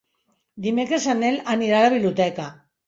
Dimecres en Nel anirà a la biblioteca.